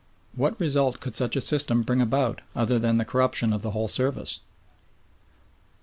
What result could such a system bring about other than the corruption of the whole service?